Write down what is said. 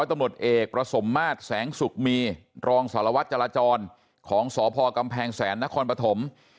ตำรวจเอกประสมมาตรแสงสุกมีรองสารวัตรจราจรของสพกำแพงแสนนครปฐม